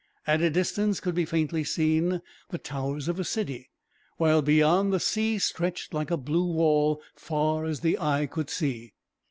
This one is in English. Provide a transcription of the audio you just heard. At a distance could be faintly seen the towers of a city; while beyond, the sea stretched like a blue wall, far as the eye could see.